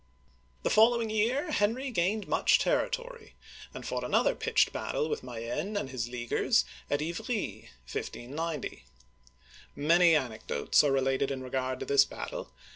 " The following year Henry gained much territory, and fought another pitched battle with Mayenne and his Lea guers, at Ivry (eev ree', 1590). Many anecdotes are re lated in regard to this battle.